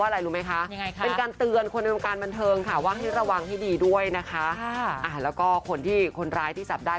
และคนศัตรูหรือคนร้ายที่จับได้